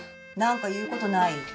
何か言うことない？